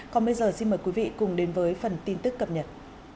còn bây giờ xin mời quý vị cùng đến với phần tin tức cập nhật